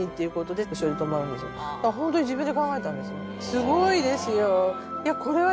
すごいですよ。